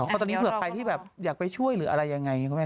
เพราะตอนนี้เผื่อใครที่อยากไปช่วยหรืออะไรอย่างไร